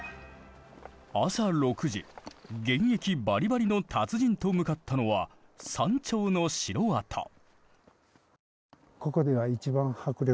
現役バリバリの達人と向かったのは山頂の城跡。